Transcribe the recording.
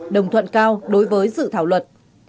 đồng thuận cao đối với dự thảo luật